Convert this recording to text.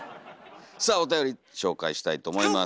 さあおたより紹介したいと思います。